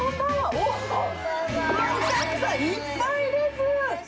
お客さんいっぱいです。